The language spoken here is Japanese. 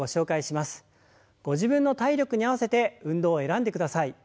ご自分の体力に合わせて運動を選んでください。